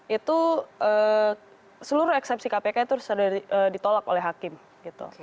itu seluruh eksepsi kpk itu sudah ditolak oleh hakim gitu